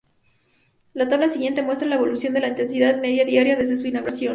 La tabla siguiente muestra la evolución de la intensidad media diaria desde su inauguración.